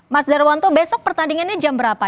mas darwanto besok pertandingannya jam berapa